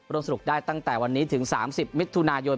สนุกได้ตั้งแต่วันนี้ถึง๓๐มิถุนายน